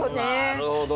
なるほど。